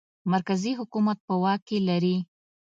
مرکزي حکومت په واک کې لري.